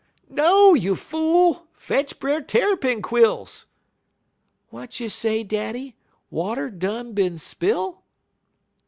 "'No, you fool! Fetch Brer Tarrypin quills!' "'Wat you say, daddy? Water done been spill?'